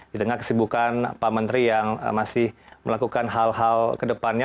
di tengah kesibukan pak menteri yang masih melakukan hal hal ke depannya